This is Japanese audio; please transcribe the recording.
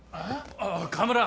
あぁ河村。